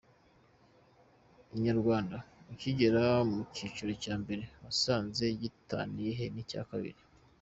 Inyarwanda: Ukigera mu cyiciro cya mbere wasanze gitaniye he n’icya kabiri?.